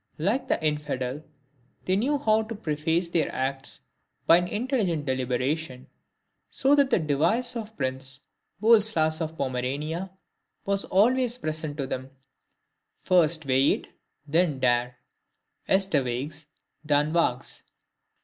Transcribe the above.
Like the infidel, they knew how to preface their acts by an intelligent deliberation, so that the device of Prince Boleslas of Pomerania, was always present to them: "First weigh it; then dare:" Erst wieg's: dann wag's!